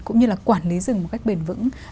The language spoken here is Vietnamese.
cũng như là quản lý rừng một cách bền vững